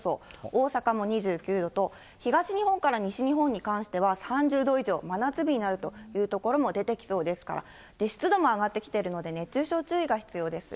大阪も２９度と、東日本から西日本に関しては、３０度以上、真夏日になるという所も出てきそうですから、湿度も上がってきているので、熱中症、注意が必要です。